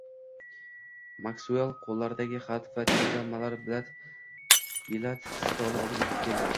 Maksuel qo`llaridagi xat va telegrammalar bilat stoli oldiga keldi